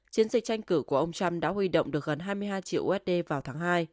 chiến dịch tranh cử của ông trump đã huy động được gần hai mươi hai triệu usd vào tháng hai